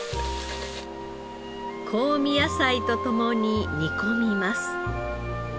香味野菜と共に煮込みます。